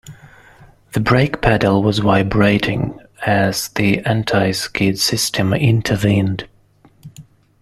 The brake pedal was vibrating as the anti-skid system intervened.